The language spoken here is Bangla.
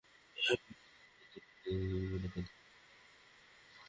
এভাবে বিভিন্ন যানবাহন থেকে প্রতিদিন দুই লক্ষাধিক টাকা চাঁদা তোলা হচ্ছে।